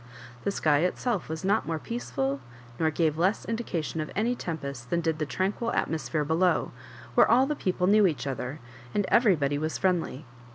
Tbe sky itself was not more peaceful, nor gave less indication of any tem pest than did the tranquil atmosphere below, where all the peofde knew each other, and every body was friendly.